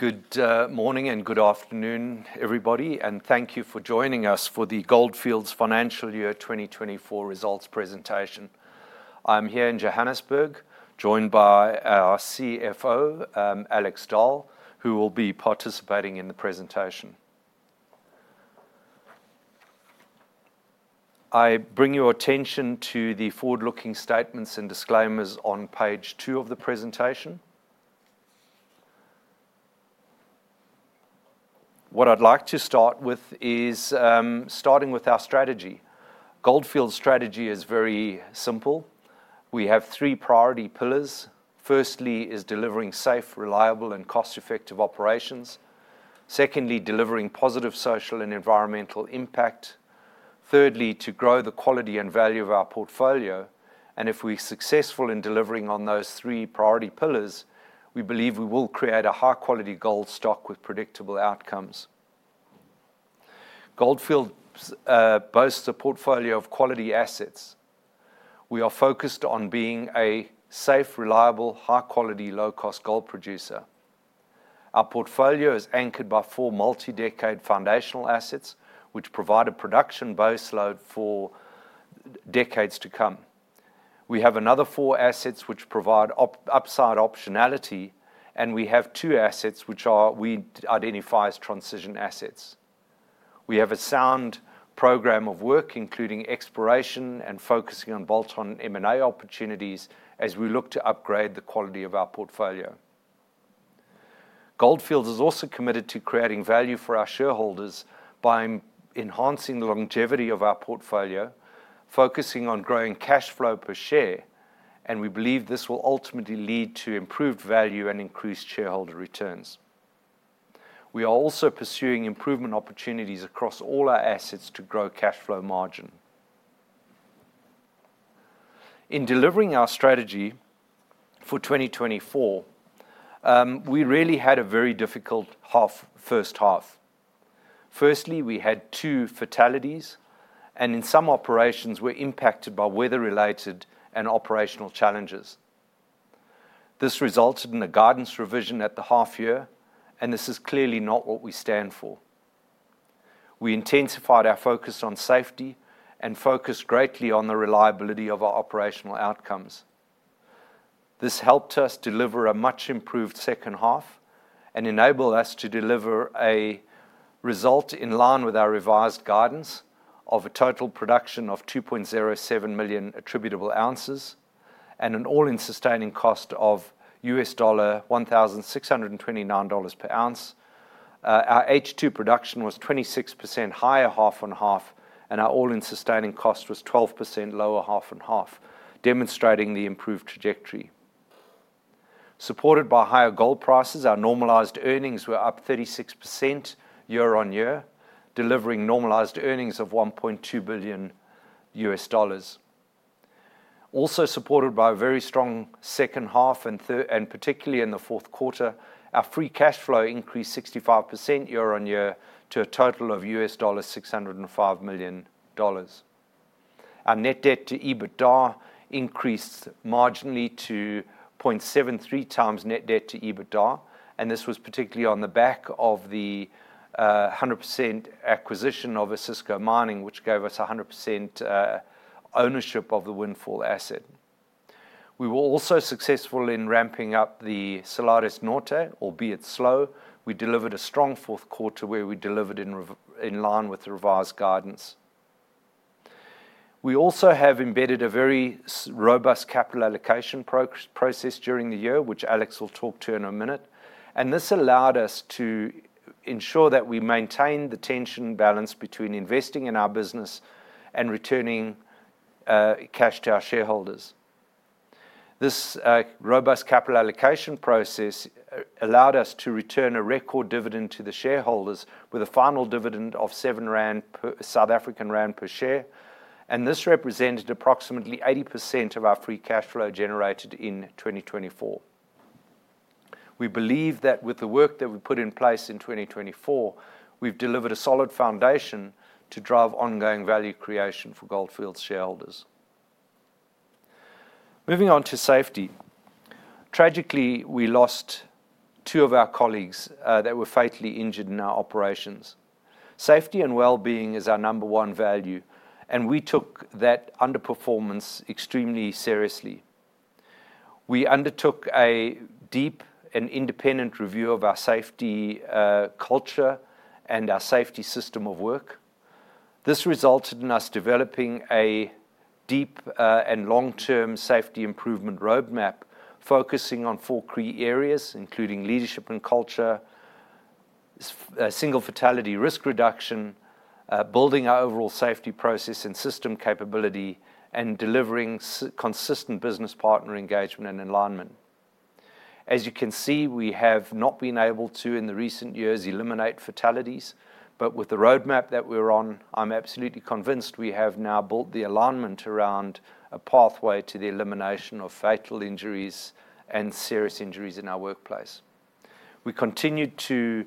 Good morning and good afternoon, everybody, and thank you for joining us for the Gold Fields Financial Year 2024 Results Presentation. I'm here in Johannesburg, joined by our CFO, Alex Dall, who will be participating in the presentation. I bring your attention to the forward-looking statements and disclaimers on page two of the presentation. What I'd like to start with is our strategy. Gold Fields' strategy is very simple. We have three priority pillars. Firstly is delivering safe, reliable, and cost-effective operations. Secondly, delivering positive social and environmental impact. Thirdly, to grow the quality and value of our portfolio, and if we're successful in delivering on those three priority pillars, we believe we will create a high-quality gold stock with predictable outcomes. Gold Fields boasts a portfolio of quality assets. We are focused on being a safe, reliable, high-quality, low-cost gold producer. Our portfolio is anchored by four multi-decade foundational assets, which provide a production baseload for decades to come. We have another four assets which provide upside optionality, and we have two assets which we identify as transition assets. We have a sound program of work, including exploration and focusing on bolt-on M&A opportunities as we look to upgrade the quality of our portfolio. Gold Fields is also committed to creating value for our shareholders by enhancing the longevity of our portfolio, focusing on growing cash flow per share, and we believe this will ultimately lead to improved value and increased shareholder returns. We are also pursuing improvement opportunities across all our assets to grow cash flow margin. In delivering our strategy for 2024, we really had a very difficult first half. Firstly, we had two fatalities, and in some operations, we're impacted by weather-related and operational challenges. This resulted in a guidance revision at the half-year, and this is clearly not what we stand for. We intensified our focus on safety and focused greatly on the reliability of our operational outcomes. This helped us deliver a much-improved second half and enabled us to deliver a result in line with our revised guidance of a total production of 2.07 million attributable ounces and an all-in sustaining cost of $1,629 per ounce. Our H2 production was 26% higher half-on-half, and our all-in sustaining cost was 12% lower half-on-half, demonstrating the improved trajectory. Supported by higher gold prices, our normalized earnings were up 36% year-on-year, delivering normalized earnings of $1.2 billion. Also supported by a very strong second half, and particularly in the fourth quarter, our free cash flow increased 65% year-on-year to a total of $605 million. Our net debt to EBITDA increased marginally to 0.73x net debt to EBITDA, and this was particularly on the back of the 100% acquisition of Osisko Mining, which gave us 100% ownership of the Windfall asset. We were also successful in ramping up the Salares Norte, albeit slow. We delivered a strong fourth quarter where we delivered in line with the revised guidance. We also have embedded a very robust capital allocation process during the year, which Alex will talk to in a minute, and this allowed us to ensure that we maintain the tension balance between investing in our business and returning cash to our shareholders. This robust capital allocation process allowed us to return a record dividend to the shareholders with a final dividend of 7 rand per share, and this represented approximately 80% of our free cash flow generated in 2024. We believe that with the work that we put in place in 2024, we've delivered a solid foundation to drive ongoing value creation for Gold Fields shareholders. Moving on to safety. Tragically, we lost two of our colleagues that were fatally injured in our operations. Safety and well-being is our number one value, and we took that underperformance extremely seriously. We undertook a deep and independent review of our safety culture and our safety system of work. This resulted in us developing a deep and long-term safety improvement roadmap focusing on four key areas, including leadership and culture, single fatality risk reduction, building our overall safety process and system capability, and delivering consistent business partner engagement and alignment. As you can see, we have not been able to, in the recent years, eliminate fatalities, but with the roadmap that we're on, I'm absolutely convinced we have now built the alignment around a pathway to the elimination of fatal injuries and serious injuries in our workplace. We continue to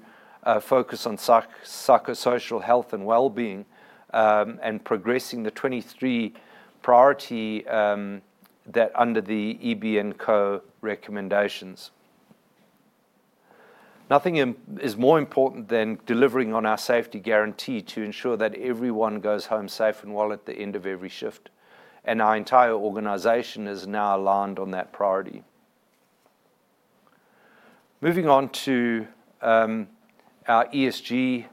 focus on psychosocial health and well-being and progressing the 23 priorities that are under the EB & Co. recommendations. Nothing is more important than delivering on our safety guarantee to ensure that everyone goes home safe and well at the end of every shift, and our entire organization is now aligned on that priority. Moving on to our ESG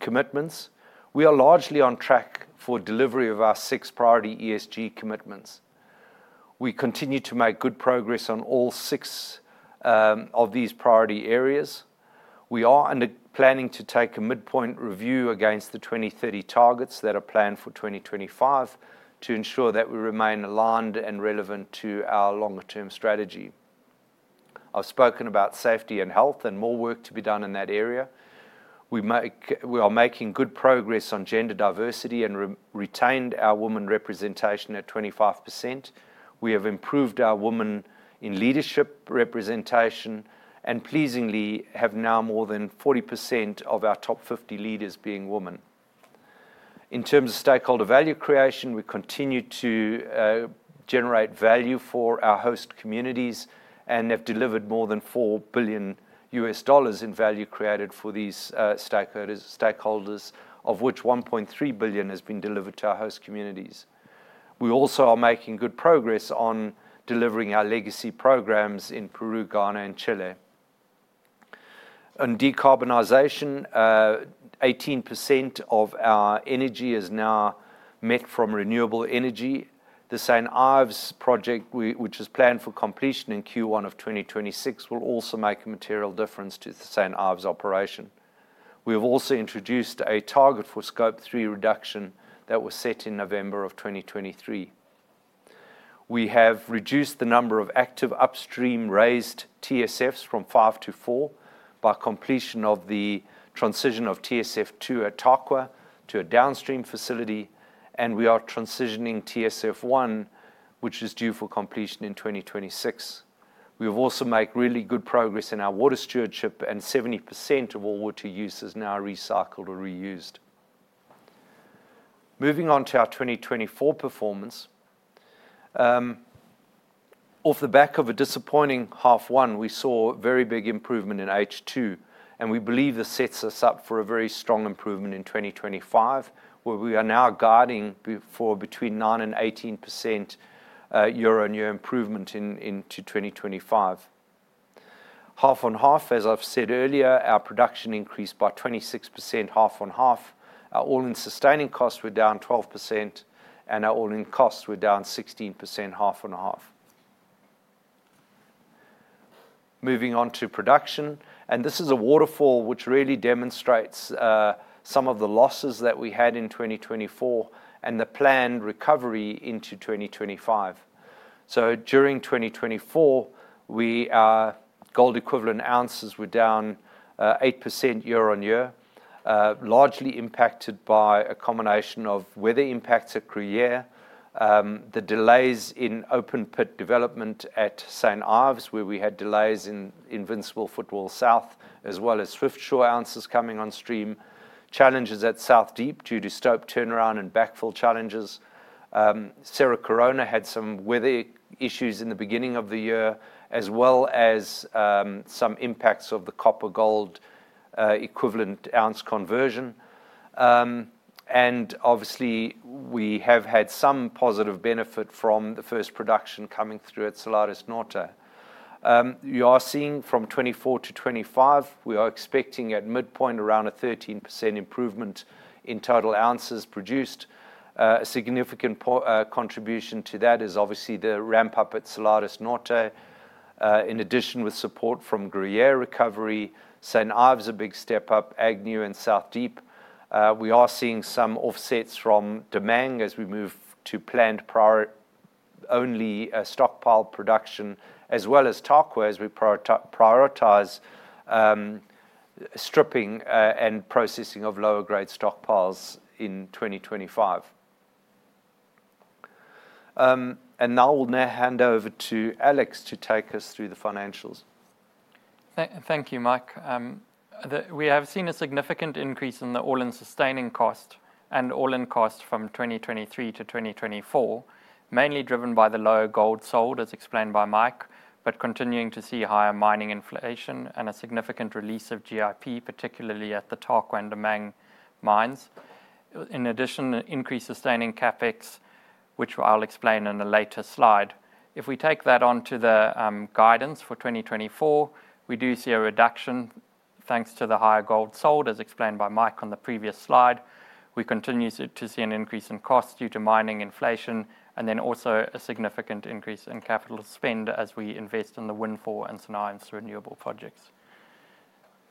commitments, we are largely on track for delivery of our six priority ESG commitments. We continue to make good progress on all six of these priority areas. We are planning to take a midpoint review against the 2030 targets that are planned for 2025 to ensure that we remain aligned and relevant to our longer-term strategy. I've spoken about safety and health and more work to be done in that area. We are making good progress on gender diversity and retained our women representation at 25%. We have improved our women in leadership representation and pleasingly have now more than 40% of our top 50 leaders being women. In terms of stakeholder value creation, we continue to generate value for our host communities and have delivered more than $4 billion in value created for these stakeholders, of which $1.3 billion has been delivered to our host communities. We also are making good progress on delivering our legacy programs in Peru, Ghana, and Chile. On decarbonization, 18% of our energy is now met from renewable energy. The St. Ives project, which is planned for completion in Q1 of 2026, will also make a material difference to the St. Ives operation. We have also introduced a target for Scope 3 reduction that was set in November of 2023. We have reduced the number of active upstream raised TSFs from five to four by completion of the transition of TSF 2 at Tarkwa to a downstream facility, and we are transitioning TSF 1, which is due for completion in 2026. We have also made really good progress in our water stewardship, and 70% of all water use is now recycled or reused. Moving on to our 2024 performance, off the back of a disappointing half one, we saw a very big improvement in H2, and we believe this sets us up for a very strong improvement in 2025, where we are now guiding for between 9% and 18% year-on-year improvement into 2025. Half-on-half, as I've said earlier, our production increased by 26% half-on-half. Our all-in sustaining costs were down 12%, and our all-in costs were down 16% half-on-half. Moving on to production, and this is a waterfall which really demonstrates some of the losses that we had in 2024 and the planned recovery into 2025. So during 2024, our gold equivalent ounces were down 8% year-on-year, largely impacted by a combination of weather impacts at Gruyere, the delays in open pit development at St. Ives, where we had delays in Invincible Footwall South, as well as Swiftsure ounces coming on stream, challenges at South Deep due to stope turnover and backfill challenges. Cerro Corona had some weather issues in the beginning of the year, as well as some impacts of the copper-gold equivalent ounce conversion. And obviously, we have had some positive benefit from the first production coming through at Salares Norte. You are seeing from 2024-2025, we are expecting at midpoint around a 13% improvement in total ounces produced. A significant contribution to that is obviously the ramp-up at Salares Norte, in addition with support from Gruyere recovery, St. Ives a big step up, Agnew, and South Deep. We are seeing some offsets from Damang as we move to planned priority-only stockpile production, as well as Tarkwa as we prioritize stripping and processing of lower-grade stockpiles in 2025. Now we'll hand over to Alex to take us through the financials. Thank you, Mike. We have seen a significant increase in the all-in sustaining cost and all-in cost from 2023-2024, mainly driven by the lower gold sold, as explained by Mike, but continuing to see higher mining inflation and a significant release of GIP, particularly at the Tarkwa and the Damang mines. In addition, increased sustaining CapEx, which I'll explain in a later slide. If we take that on to the guidance for 2024, we do see a reduction thanks to the higher gold sold, as explained by Mike on the previous slide. We continue to see an increase in cost due to mining inflation and then also a significant increase in capital spend as we invest in the Windfall and St. Ives renewable projects,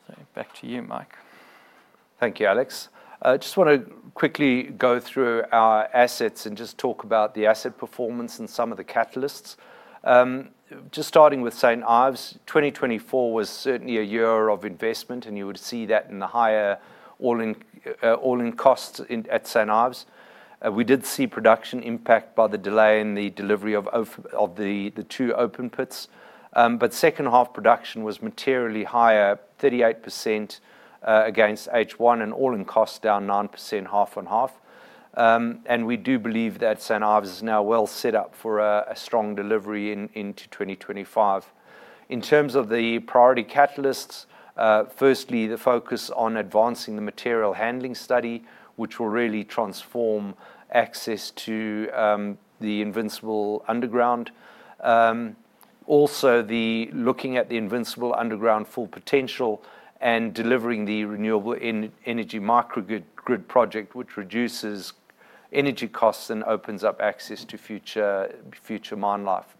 so back to you, Mike. Thank you, Alex. I just want to quickly go through our assets and just talk about the asset performance and some of the catalysts. Just starting with St. Ives, 2024 was certainly a year of investment, and you would see that in the higher all-in costs at St. Ives. We did see production impact by the delay in the delivery of the two open pits, but second half production was materially higher, 38% against H1, and all-in cost down 9% half-on-half, and we do believe that St. Ives is now well set up for a strong delivery into 2025. In terms of the priority catalysts, firstly, the focus on advancing the material handling study, which will really transform access to the Invincible Underground. Also, looking at the Invincible Underground Full potential and delivering the renewable energy microgrid project, which reduces energy costs and opens up access to future mine life.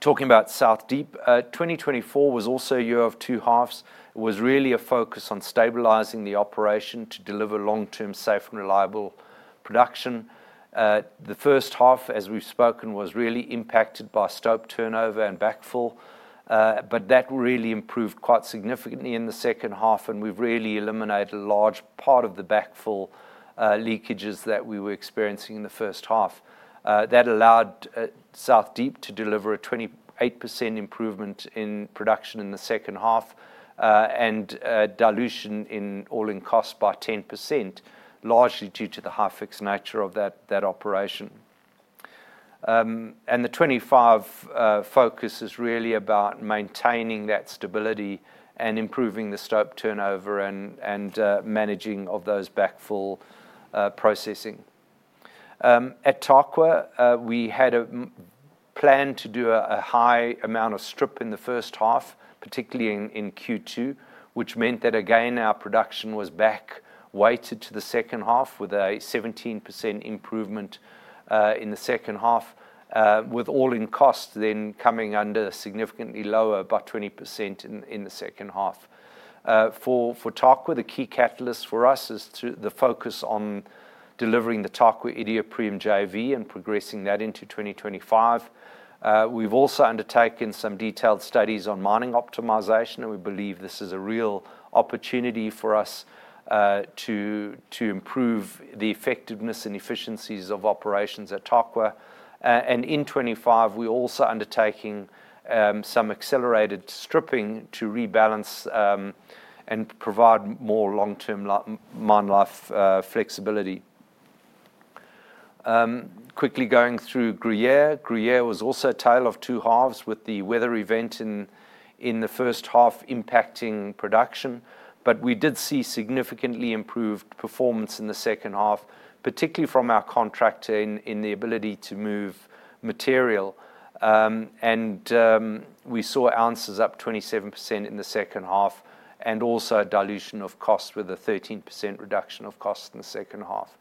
Talking about South Deep, 2024 was also a year of two halves. It was really a focus on stabilizing the operation to deliver long-term safe and reliable production. The first half, as we've spoken, was really impacted by stope turnover and backfill, but that really improved quite significantly in the second half, and we've really eliminated a large part of the backfill leakages that we were experiencing in the first half. That allowed South Deep to deliver a 28% improvement in production in the second half and dilution in all-in cost by 10%, largely due to the high-fixed nature of that operation. The 2025 focus is really about maintaining that stability and improving the stope turnover and managing of those backfill processing. At Tarkwa, we had a plan to do a high amount of strip in the first half, particularly in Q2, which meant that, again, our production was back weighted to the second half with a 17% improvement in the second half, with all-in cost then coming under significantly lower by 20% in the second half. For Tarkwa, the key catalyst for us is the focus on delivering the Tarkwa-Iduapriem Joint Venture and progressing that into 2025. We've also undertaken some detailed studies on mining optimization, and we believe this is a real opportunity for us to improve the effectiveness and efficiencies of operations at Tarkwa. In 2025, we're also undertaking some accelerated stripping to rebalance and provide more long-term mine life flexibility. Quickly going through Gruyere, Gruyere was also a tale of two halves with the weather event in the first half impacting production, but we did see significantly improved performance in the second half, particularly from our contractor in the ability to move material, and we saw ounces up 27% in the second half and also a dilution of cost with a 13% reduction of cost in the second half.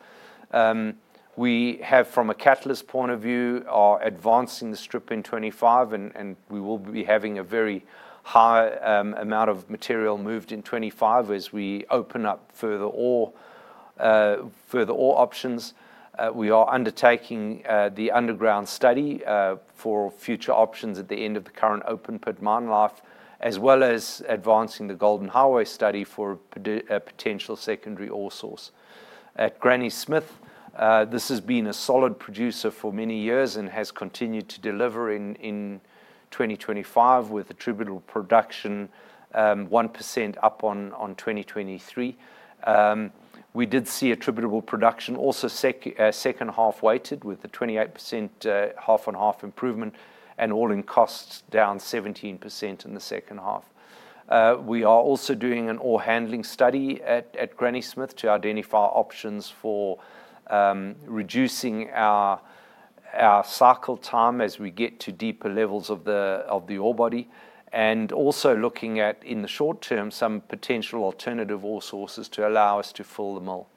We have, from a catalyst point of view, are advancing the strip in 2025, and we will be having a very high amount of material moved in 2025 as we open up further ore options. We are undertaking the underground study for future options at the end of the current open pit mine life, as well as advancing the Golden Highway study for a potential secondary ore source. At Granny Smith, this has been a solid producer for many years and has continued to deliver in 2025 with attributable production 1% up on 2023. We did see attributable production also second half weighted with the 28% half-on-half improvement and all-in cost down 17% in the second half. We are also doing an ore handling study at Granny Smith to identify options for reducing our cycle time as we get to deeper levels of the ore body and also looking at, in the short term, some potential alternative ore sources to allow us to fill the mill.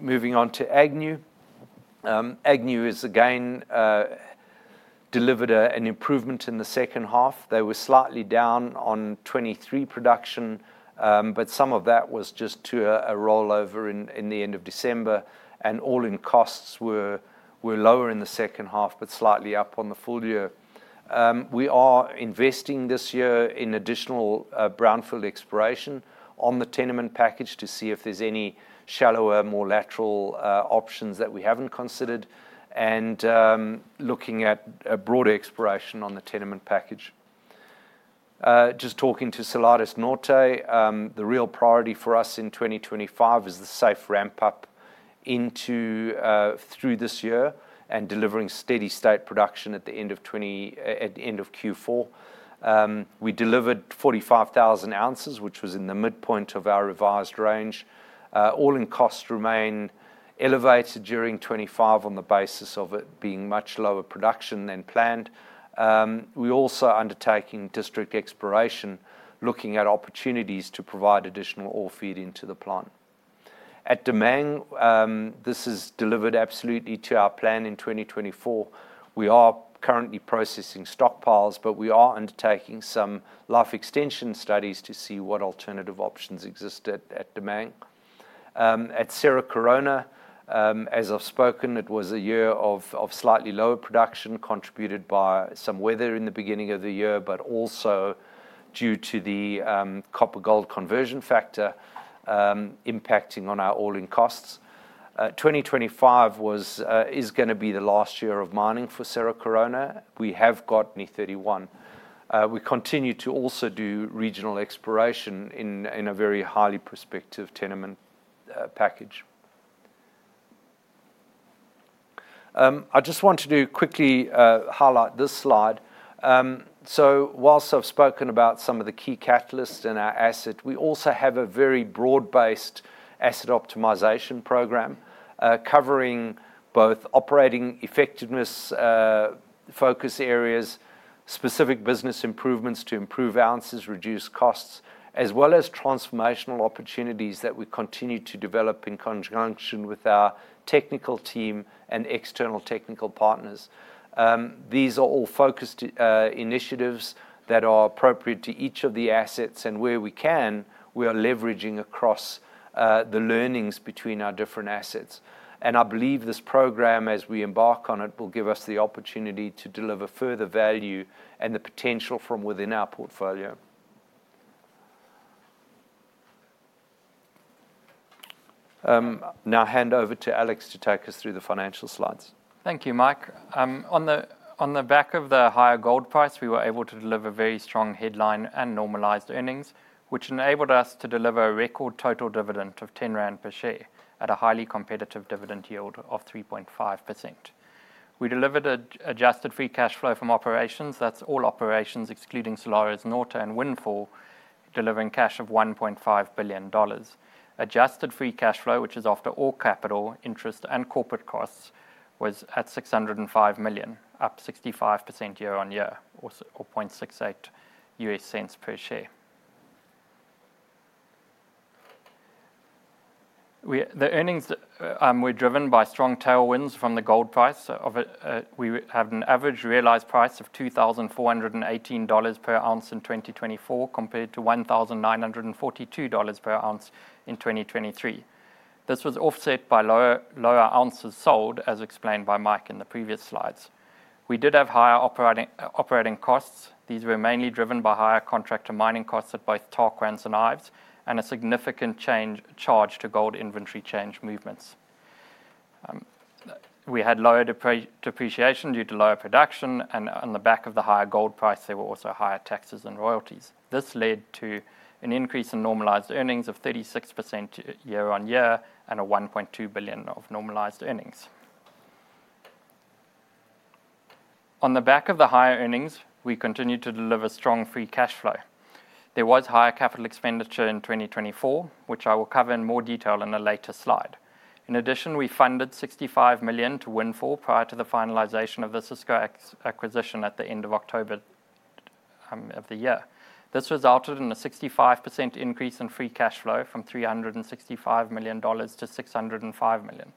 Moving on to Agnew. Agnew has again delivered an improvement in the second half. They were slightly down on 2023 production, but some of that was just to a rollover in the end of December, and all-in costs were lower in the second half, but slightly up on the full year. We are investing this year in additional brownfield exploration on the tenement package to see if there's any shallower, more lateral options that we haven't considered and looking at a broader exploration on the tenement package. Just talking to Salares Norte, the real priority for us in 2025 is the safe ramp-up through this year and delivering steady-state production at the end of Q4. We delivered 45,000 ounces, which was in the midpoint of our revised range. All-in costs remain elevated during 25 on the basis of it being much lower production than planned. We are also undertaking district exploration, looking at opportunities to provide additional ore feed into the plant. At Damang, this has delivered absolutely to our plan in 2024. We are currently processing stockpiles, but we are undertaking some life extension studies to see what alternative options exist at Damang. At Cerro Corona, as I've spoken, it was a year of slightly lower production, contributed by some weather in the beginning of the year, but also due to the copper-gold conversion factor impacting on our all-in costs. 2025 is going to be the last year of mining for Cerro Corona. We have got 2031. We continue to also do regional exploration in a very highly prospective tenement package. I just want to quickly highlight this slide. So while I've spoken about some of the key catalysts in our asset, we also have a very broad-based asset optimization program covering both operating effectiveness focus areas, specific business improvements to improve ounces, reduce costs, as well as transformational opportunities that we continue to develop in conjunction with our technical team and external technical partners. These are all focused initiatives that are appropriate to each of the assets, and where we can, we are leveraging across the learnings between our different assets, and I believe this program, as we embark on it, will give us the opportunity to deliver further value and the potential from within our portfolio. Now hand over to Alex to take us through the financial slides. Thank you, Mike. On the back of the higher gold price, we were able to deliver very strong headline and normalized earnings, which enabled us to deliver a record total dividend of 10 rand per share at a highly competitive dividend yield of 3.5%. We delivered adjusted free cash flow from operations. That's all operations excluding Salares Norte and Windfall, delivering cash of $1.5 billion. Adjusted free cash flow, which is after all capital, interest, and corporate costs, was at $605 million, up 65% year on year, or $0.0068 per share. The earnings were driven by strong tailwinds from the gold price. We have an average realized price of $2,418 per ounce in 2024, compared to $1,942 per ounce in 2023. This was offset by lower ounces sold, as explained by Mike in the previous slides. We did have higher operating costs. These were mainly driven by higher contractor mining costs at both Tarkwa and St. Ives, and a significant charge to gold inventory change movements. We had lower depreciation due to lower production, and on the back of the higher gold price, there were also higher taxes and royalties. This led to an increase in normalized earnings of 36% year on year and a $1.2 billion of normalized earnings. On the back of the higher earnings, we continued to deliver strong free cash flow. There was higher capital expenditure in 2024, which I will cover in more detail in a later slide. In addition, we funded $65 million to Windfall prior to the finalization of the Osisko acquisition at the end of October of the year. This resulted in a 65% increase in free cash flow from $365 million-$605 million,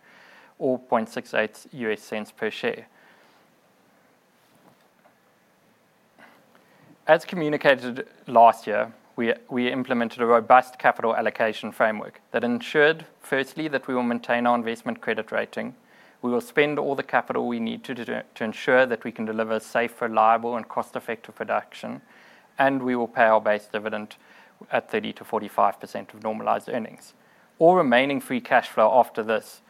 or $0.0068 per share. As communicated last year, we implemented a robust capital allocation framework that ensured, firstly, that we will maintain our investment credit rating. We will spend all the capital we need to ensure that we can deliver safe, reliable, and cost-effective production, and we will pay our base dividend at 30%-45% of normalized earnings. All remaining free cash flow after this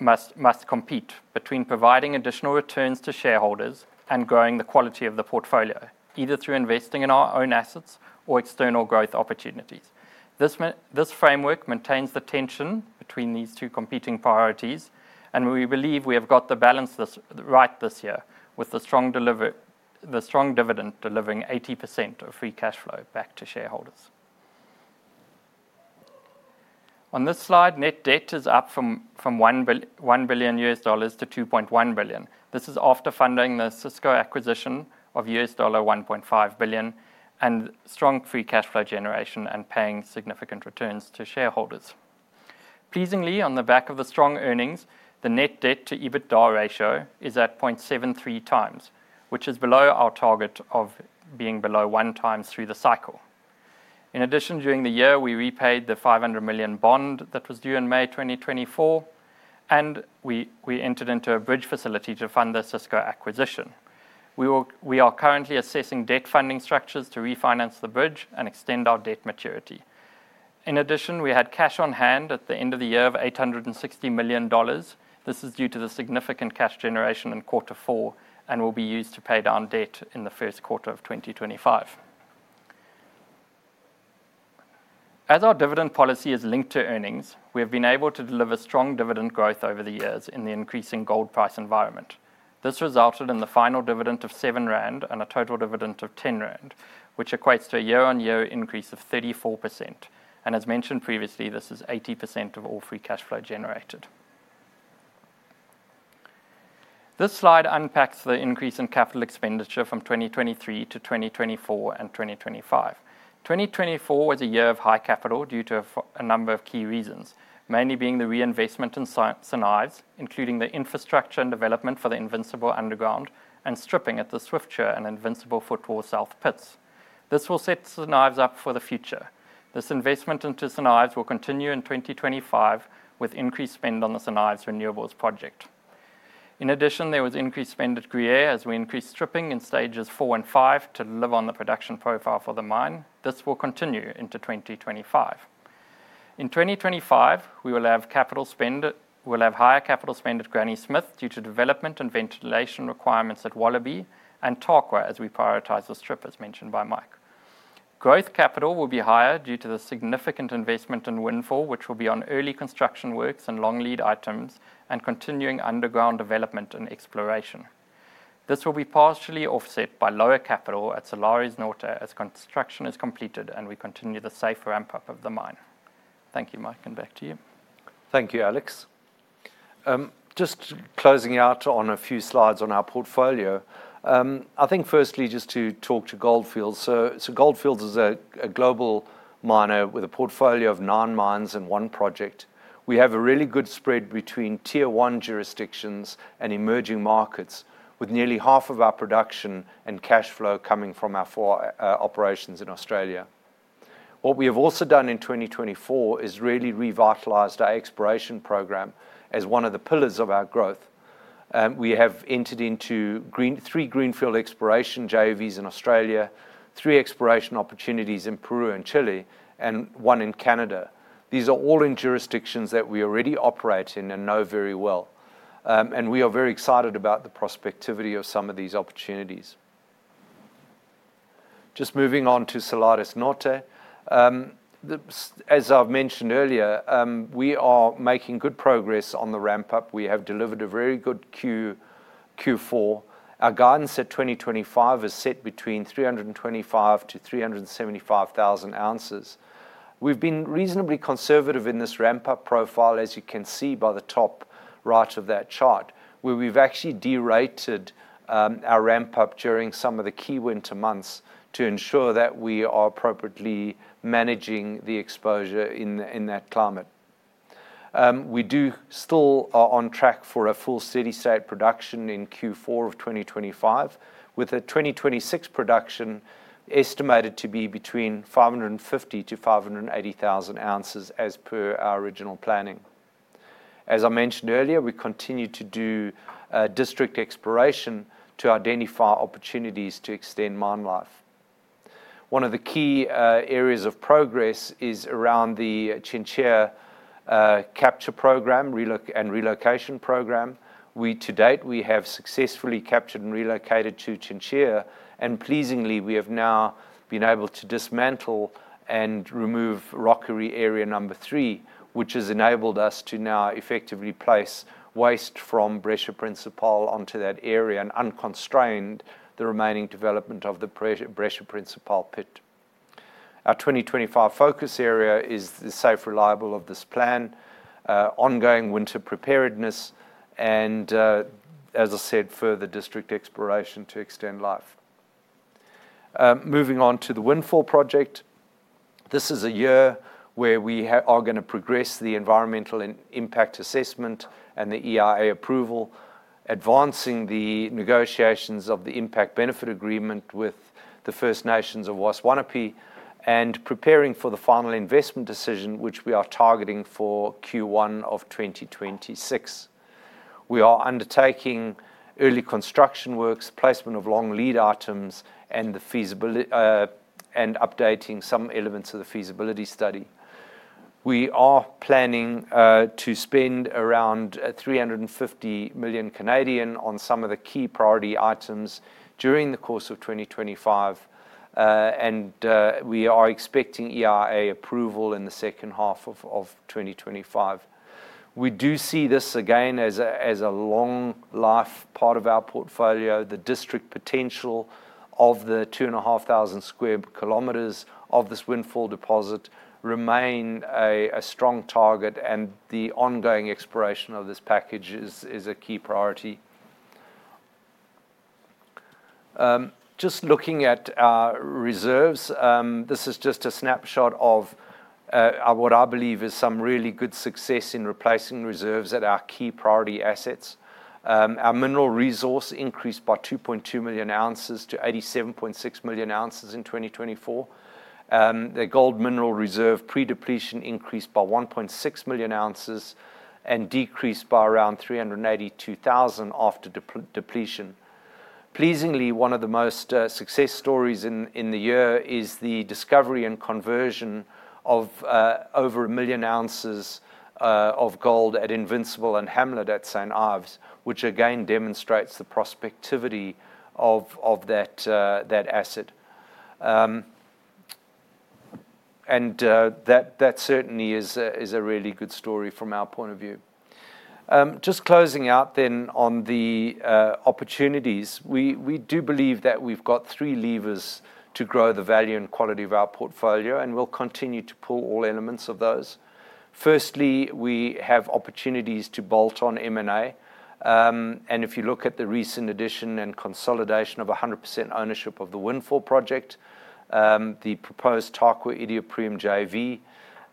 must compete between providing additional returns to shareholders and growing the quality of the portfolio, either through investing in our own assets or external growth opportunities. This framework maintains the tension between these two competing priorities, and we believe we have got the balance right this year with the strong dividend delivering 80% of free cash flow back to shareholders. On this slide, net debt is up from $1 billion-$2.1 billion. This is after funding the Osisko acquisition of $1.5 billion and strong free cash flow generation and paying significant returns to shareholders. Pleasingly, on the back of the strong earnings, the net debt to EBITDA ratio is at 0.73x, which is below our target of being below one times through the cycle. In addition, during the year, we repaid the $500 million bond that was due in May 2024, and we entered into a bridge facility to fund the Osisko acquisition. We are currently assessing debt funding structures to refinance the bridge and extend our debt maturity. In addition, we had cash on hand at the end of the year of $860 million. This is due to the significant cash generation in quarter four and will be used to pay down debt in the first quarter of 2025. As our dividend policy is linked to earnings, we have been able to deliver strong dividend growth over the years in the increasing gold price environment. This resulted in the final dividend of 7 rand and a total dividend of 10 rand, which equates to a year-on-year increase of 34%. And as mentioned previously, this is 80% of all free cash flow generated. This slide unpacks the increase in capital expenditure from 2023-2024 and 2025. 2024 was a year of high capital due to a number of key reasons, mainly being the reinvestment in St. Ives, including the infrastructure and development for the Invincible Underground and stripping at the Swiftsure and Invincible Footwall South Pits. This will set St. Ives up for the future. This investment into St. Ives will continue in 2025 with increased spend on the St. Ives Renewables project. In addition, there was increased spend at Gruyere as we increased stripping in stages four and five to live on the production profile for the mine. This will continue into 2025. In 2025, we will have capital spend. We'll have higher capital spend at Granny Smith due to development and ventilation requirements at Wallaby and Tarkwa as we prioritize the strip as mentioned by Mike. Growth capital will be higher due to the significant investment in Windfall, which will be on early construction works and long lead items and continuing underground development and exploration. This will be partially offset by lower capital at Salares Norte as construction is completed and we continue the safe ramp-up of the mine. Thank you, Mike, and back to you. Thank you, Alex. Just closing out on a few slides on our portfolio. I think firstly just to talk to Gold Fields, so Gold Fields is a global miner with a portfolio of nine mines and one project. We have a really good spread between tier one jurisdictions and emerging markets, with nearly half of our production and cash flow coming from our four operations in Australia. What we have also done in 2024 is really revitalized our exploration program as one of the pillars of our growth. We have entered into three greenfield exploration JVs in Australia, three exploration opportunities in Peru and Chile, and one in Canada. These are all in jurisdictions that we already operate in and know very well, and we are very excited about the prospectivity of some of these opportunities. Just moving on to Salares Norte. As I've mentioned earlier, we are making good progress on the ramp-up. We have delivered a very good Q4. Our guidance at 2025 is set between 325,000-375,000 ounces. We've been reasonably conservative in this ramp-up profile, as you can see by the top right of that chart, where we've actually derated our ramp-up during some of the key winter months to ensure that we are appropriately managing the exposure in that climate. We do still are on track for a full steady-state production in Q4 of 2025, with a 2026 production estimated to be between 550,000-580,000 ounces as per our original planning. As I mentioned earlier, we continue to do district exploration to identify opportunities to extend mine life. One of the key areas of progress is around the Chinchilla capture program and relocation program. To date, we have successfully captured and relocated to Chinchilla, and pleasingly, we have now been able to dismantle and remove Rocky Area number three, which has enabled us to now effectively place waste from Brecha Principal onto that area and unconstrained the remaining development of the Brecha Principal pit. Our 2025 focus area is the safe, reliable of this plan, ongoing winter preparedness, and, as I said, further district exploration to extend life. Moving on to the Windfall project. This is a year where we are going to progress the environmental impact assessment and the EIA approval, advancing the negotiations of the impact benefit agreement with the First Nations of Waswanipi, and preparing for the final investment decision, which we are targeting for Q1 of 2026. We are undertaking early construction works, placement of long lead items, and updating some elements of the feasibility study. We are planning to spend around 350 million on some of the key priority items during the course of 2025, and we are expecting EIA approval in the second half of 2025. We do see this again as a long-life part of our portfolio. The district potential of the 2,500 sq km of this Windfall deposit remains a strong target, and the ongoing exploration of this package is a key priority. Just looking at reserves, this is just a snapshot of what I believe is some really good success in replacing reserves at our key priority assets. Our mineral resource increased by 2.2 million ounces-87.6 million ounces in 2024. The gold mineral reserve pre-depletion increased by 1.6 million ounces and decreased by around 382,000 after depletion. Pleasingly, one of the most successful stories in the year is the discovery and conversion of over a million ounces of gold at Invincible and Hamlet at St. Ives, which again demonstrates the prospectivity of that asset, and that certainly is a really good story from our point of view. Just closing out then on the opportunities, we do believe that we've got three levers to grow the value and quality of our portfolio, and we'll continue to pull all elements of those. Firstly, we have opportunities to bolt on M&A, and if you look at the recent addition and consolidation of 100% ownership of the Windfall project, the proposed Tarkwa-Iduapriem JV,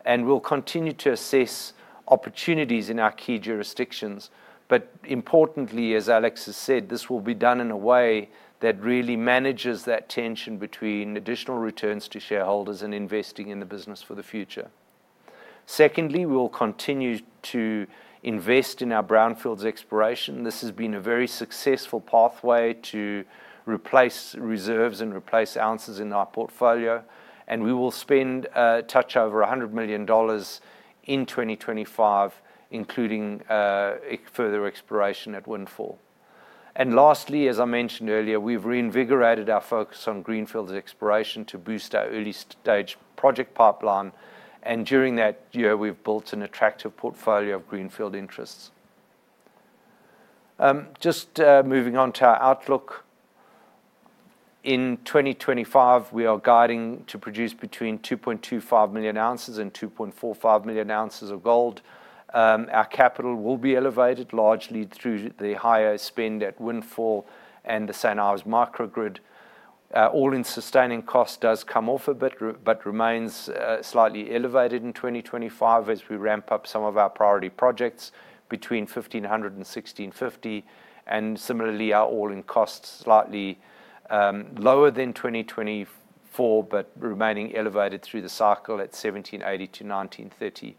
and we'll continue to assess opportunities in our key jurisdictions. But importantly, as Alex has said, this will be done in a way that really manages that tension between additional returns to shareholders and investing in the business for the future. Secondly, we will continue to invest in our brownfields exploration. This has been a very successful pathway to replace reserves and replace ounces in our portfolio. And we will spend just over $100 million in 2025, including further exploration at Windfall. And lastly, as I mentioned earlier, we've reinvigorated our focus on greenfields exploration to boost our early-stage project pipeline. And during that year, we've built an attractive portfolio of greenfield interests. Just moving on to our outlook. In 2025, we are guiding to produce between 2.25 million ounces and 2.45 million ounces of gold. Our capital will be elevated largely through the higher spend at Windfall and the St. Ives Microgrid. All-in sustaining cost does come off a bit, but remains slightly elevated in 2025 as we ramp up some of our priority projects between $1,500 and $1,650. And similarly, our all-in costs slightly lower than 2024, but remaining elevated through the cycle at $1,780-$1,930.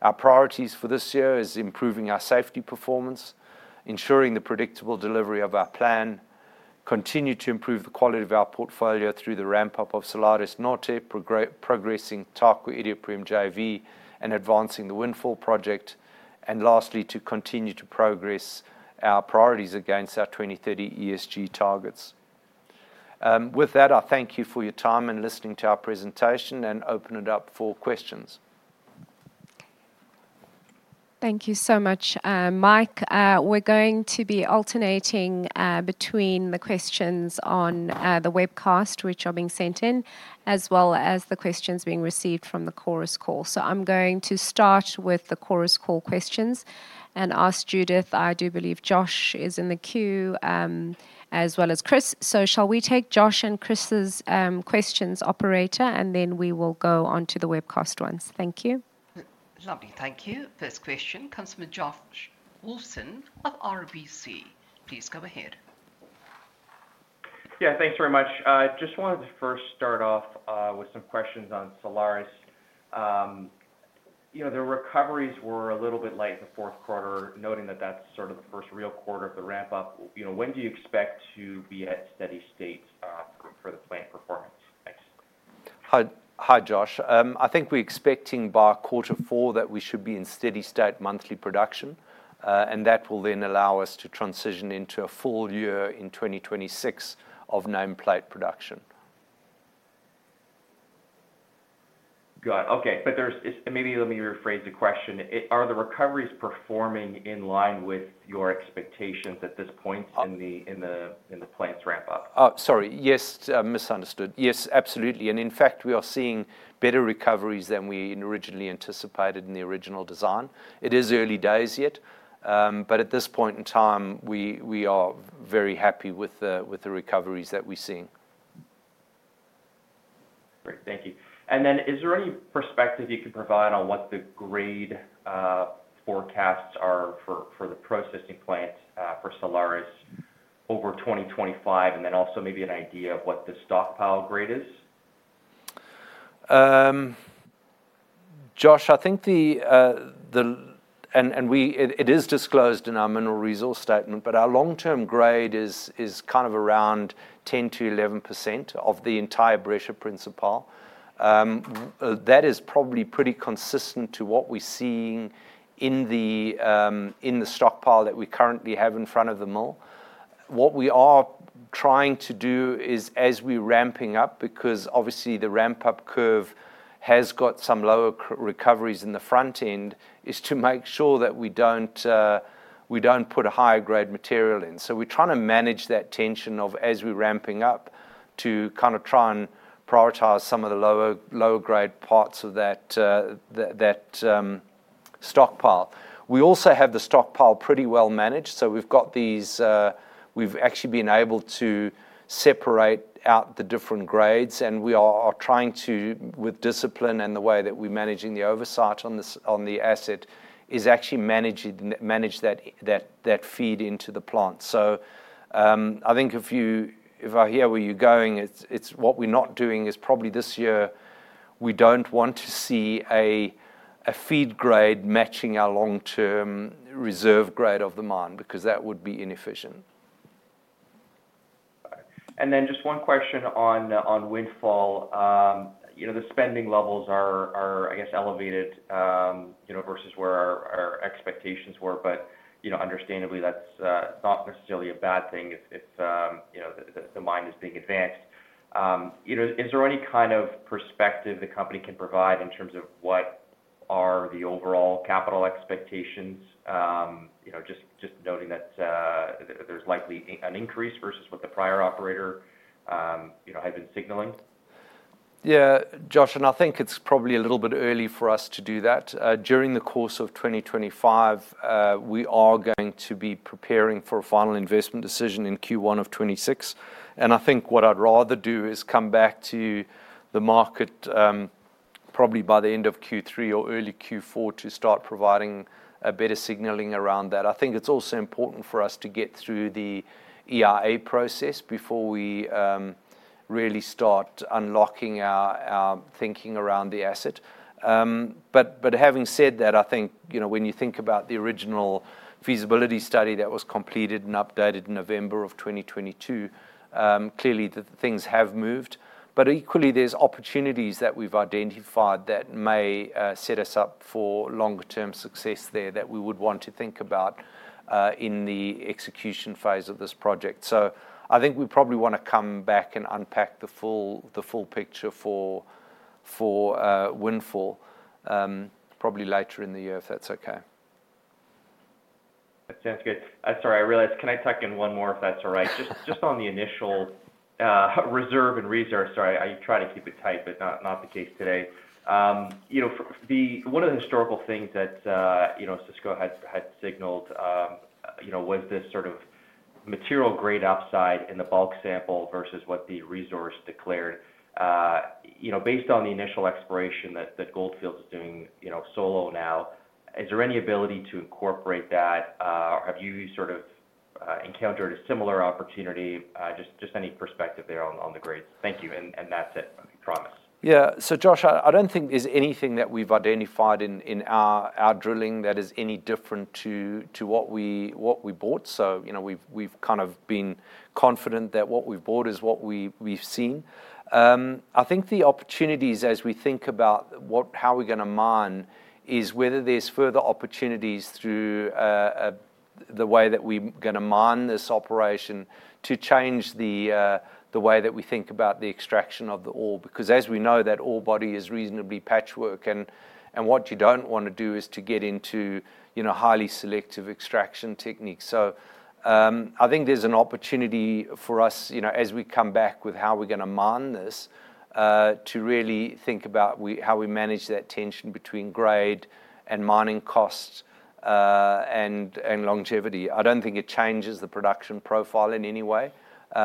Our priorities for this year are improving our safety performance, ensuring the predictable delivery of our plan, continue to improve the quality of our portfolio through the ramp-up of Salares Norte, progressing Tarkwa, Iduapriem JV, and advancing the Windfall project, and lastly, to continue to progress our priorities against our 2030 ESG targets. With that, I thank you for your time and listening to our presentation and open it up for questions. Thank you so much, Mike. We're going to be alternating between the questions on the webcast, which are being sent in, as well as the questions being received from the Chorus Call. So I'm going to start with the Chorus Call questions and ask Judith. I do believe Josh is in the queue, as well as Chris. So shall we take Josh and Chris's questions, operator, and then we will go on to the webcast ones? Thank you. Lovely, thank you. First question comes from Josh Wolfson of RBC. Please go ahead. Yeah, thanks very much. I just wanted to first start off with some questions on Salares Norte. The recoveries were a little bit late in the fourth quarter, noting that that's sort of the first real quarter of the ramp-up. When do you expect to be at steady state for the plant performance? Thanks. Hi, Josh. I think we're expecting by quarter four that we should be in steady state monthly production, and that will then allow us to transition into a full year in 2026 of nameplate production. Got it. Okay. But maybe let me rephrase the question. Are the recoveries performing in line with your expectations at this point in the plant's ramp-up? Sorry, yes, misunderstood. Yes, absolutely. And in fact, we are seeing better recoveries than we originally anticipated in the original design. It is early days yet, but at this point in time, we are very happy with the recoveries that we're seeing. Great, thank you. And then is there any perspective you can provide on what the grade forecasts are for the processing plant for Salares Norte over 2025, and then also maybe an idea of what the stockpile grade is? Josh, I think the—and it is disclosed in our mineral resource statement—but our long-term grade is kind of around 10%-11% of the entire Brecha Principal. That is probably pretty consistent to what we're seeing in the stockpile that we currently have in front of the mill. What we are trying to do is, as we're ramping up, because obviously the ramp-up curve has got some lower recoveries in the front end, is to make sure that we don't put a higher grade material in. So we're trying to manage that tension of, as we're ramping up, to kind of try and prioritize some of the lower grade parts of that stockpile. We also have the stockpile pretty well managed. So we've got these, we've actually been able to separate out the different grades, and we are trying to, with discipline and the way that we're managing the oversight on the asset, is actually manage that feed into the plant. So I think if I hear where you're going, what we're not doing is probably this year, we don't want to see a feed grade matching our long-term reserve grade of the mine, because that would be inefficient. And then, just one question on Windfall. The spending levels are, I guess, elevated versus where our expectations were, but understandably, that's not necessarily a bad thing if the mine is being advanced. Is there any kind of perspective the company can provide in terms of what are the overall capital expectations, just noting that there's likely an increase versus what the prior operator had been signaling? Yeah, Josh, and I think it's probably a little bit early for us to do that. During the course of 2025, we are going to be preparing for a final investment decision in Q1 of 2026. And I think what I'd rather do is come back to the market probably by the end of Q3 or early Q4 to start providing better signaling around that. I think it's also important for us to get through the EIA process before we really start unlocking our thinking around the asset. But having said that, I think when you think about the original feasibility study that was completed and updated in November of 2022, clearly the things have moved. But equally, there's opportunities that we've identified that may set us up for longer-term success there that we would want to think about in the execution phase of this project. So I think we probably want to come back and unpack the full picture for Windfall probably later in the year, if that's okay. Sounds good. Sorry, I realized, can I tuck in one more, if that's all right? Just on the initial reserve and resource, sorry, I try to keep it tight, but not the case today. One of the historical things that Osisko had signaled was this sort of material grade upside in the bulk sample versus what the resource declared. Based on the initial exploration that Gold Fields is doing solo now, is there any ability to incorporate that? Have you sort of encountered a similar opportunity? Just any perspective there on the grades. Thank you. And that's it, I promise. Yeah. So Josh, I don't think there's anything that we've identified in our drilling that is any different to what we bought. So we've kind of been confident that what we've bought is what we've seen. I think the opportunities, as we think about how we're going to mine, is whether there's further opportunities through the way that we're going to mine this operation to change the way that we think about the extraction of the ore, because as we know, that ore body is reasonably patchwork. And what you don't want to do is to get into highly selective extraction techniques. So I think there's an opportunity for us, as we come back with how we're going to mine this, to really think about how we manage that tension between grade and mining cost and longevity. I don't think it changes the production profile in any way,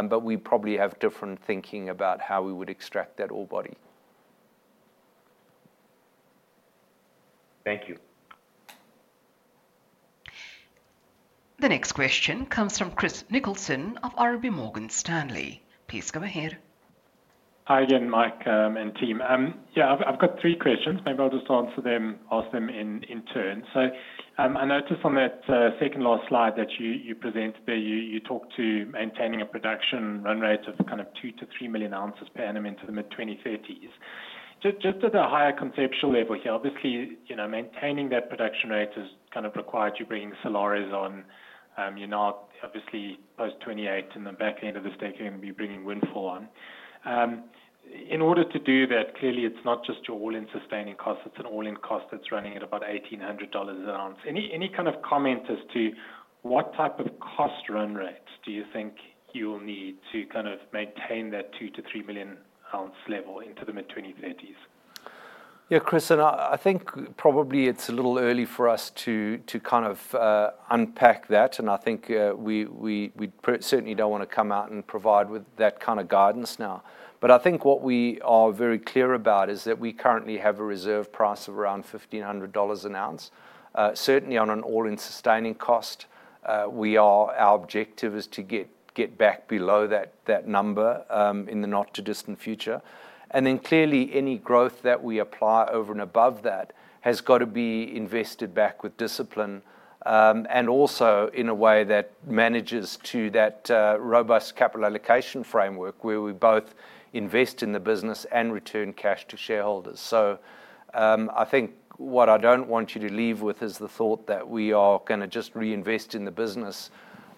but we probably have different thinking about how we would extract that ore body. Thank you. The next question comes from Chris Nicholson of RMB Morgan Stanley. Please go ahead. Hi again, Mike and team. Yeah, I've got three questions. Maybe I'll just answer them, ask them in turn. So I noticed on that second last slide that you present there, you talked to maintaining a production run rate of kind of 2-3 million ounces per-annum into the mid-2030s. Just at a higher conceptual level here, obviously, maintaining that production rate has kind of required you bringing Salares Norte on. You're now obviously post-28, and the back end of the '20s you're going to be bringing Windfall on. In order to do that, clearly, it's not just your all-in sustaining cost. It's an all-in cost that's running at about $1,800 an ounce. Any kind of comment as to what type of cost run rates do you think you'll need to kind of maintain that 2-3 million ounce level into the mid-2030s? Yeah, Chris, and I think probably it's a little early for us to kind of unpack that, and I think we certainly don't want to come out and provide with that kind of guidance now, but I think what we are very clear about is that we currently have a reserve price of around $1,500 an ounce, certainly on an all-in sustaining cost. Our objective is to get back below that number in the not-too-distant future, and then clearly, any growth that we apply over and above that has got to be invested back with discipline and also in a way that manages to that robust capital allocation framework where we both invest in the business and return cash to shareholders. So I think what I don't want you to leave with is the thought that we are going to just reinvest in the business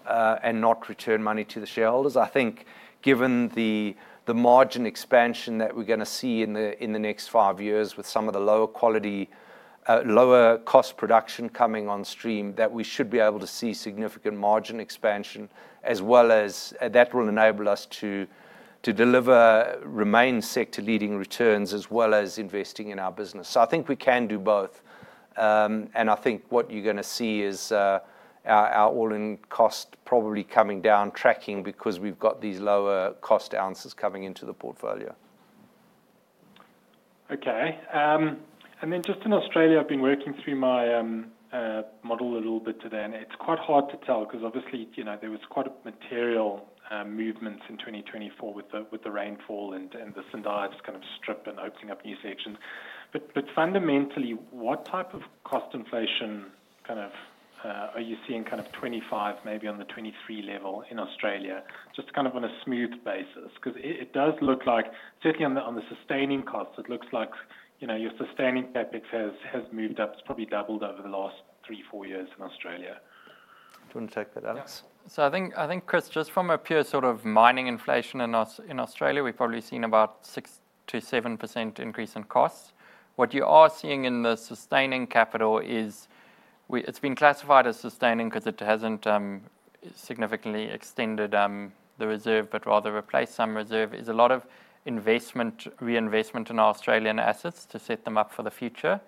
and not return money to the shareholders. I think given the margin expansion that we're going to see in the next five years with some of the lower cost production coming on stream, that we should be able to see significant margin expansion, as well as that will enable us to deliver remaining sector-leading returns as well as investing in our business. So I think we can do both. And I think what you're going to see is our all-in cost probably coming down, tracking, because we've got these lower cost ounces coming into the portfolio. Okay. And then just in Australia, I've been working through my model a little bit today, and it's quite hard to tell because obviously there was quite a material movement in 2024 with the rainfall and the Sundial's kind of strip and opening up new sections. But fundamentally, what type of cost inflation kind of are you seeing kind of 2025, maybe on the 2023 level in Australia, just kind of on a smooth basis? Because it does look like certainly on the sustaining costs, it looks like your sustaining CapEx has moved up. It's probably doubled over the last three, four years in Australia. Do you want to take that out? Yes. So I think, Chris, just from a pure sort of mining inflation in Australia, we've probably seen about 6%-7% increase in costs. What you are seeing in the sustaining capital is it's been classified as sustaining because it hasn't significantly extended the reserve, but rather replaced some reserve. It's a lot of investment, reinvestment in Australian assets to set them up for the future.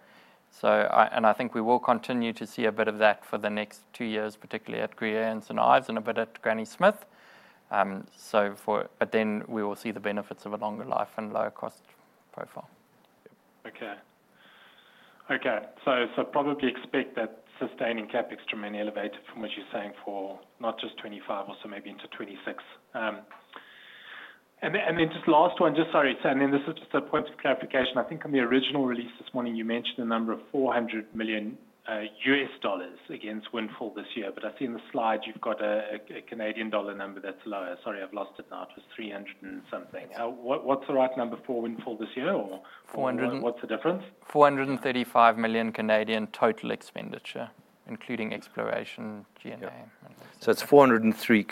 And I think we will continue to see a bit of that for the next two years, particularly at Gruyere and St. Ives and a bit at Granny Smith. But then we will see the benefits of a longer life and lower cost profile. Okay. Okay. So probably expect that sustaining CapEx to remain elevated from what you're saying for not just 2025, also maybe into 2026. And then just last one, just sorry. And then this is just a quick clarification. I think on the original release this morning, you mentioned a number of $400 million against Windfall this year. But I see in the slide you've got a Canadian dollar number that's lower. Sorry, I've lost it now. It was 300 and something. What's the right number for Windfall this year? Or what's the difference? 435 million total expenditure, including exploration, G&A. It's 403